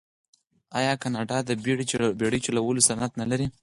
آیا کاناډا د بیړۍ چلولو صنعت نلري؟